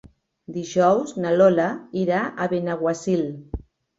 Dijous na Lola irà a Benaguasil.